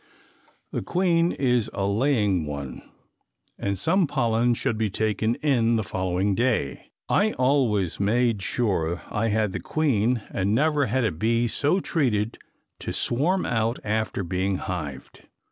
The queen is a laying one and some pollen should be taken in the following day. I always made sure I had the queen and never had a bee so treated to swarm out after being hived.